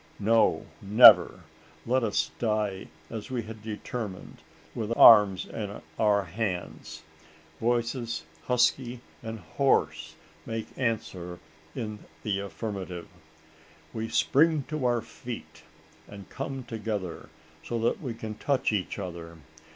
"No! never! let us die as we had determined, with arms in our hands!" Voices husky and hoarse make answer in the affirmative. We spring to our feet, and come together so that we can touch each other.